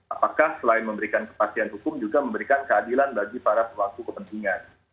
apakah selain memberikan kepastian hukum juga memberikan keadilan bagi para pelaku kepentingan